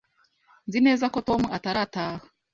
Nzi neza ko Tom atarataha.